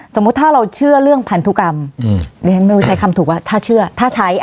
สมมุติถ้าเราเชื่อเรื่องพันธุกรรมดิฉันไม่รู้ใช้คำถูกว่าถ้าเชื่อถ้าใช้